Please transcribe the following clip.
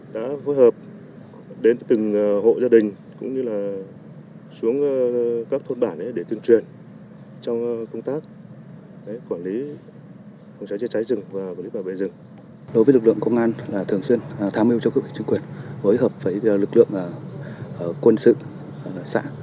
thường xuyên tham mưu cho cấp ủy chính quyền phối hợp với lực lượng quân sự xã